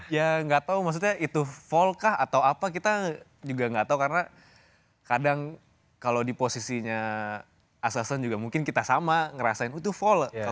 ya nggak tahu maksudnya itu fall kah atau apa kita juga nggak tahu karena kadang kalau di posisinya asason juga mungkin kita sama ngerasain itu fall